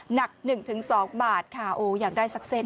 หนัก๑๒บาทค่ะโอ้อยากได้สักเส้น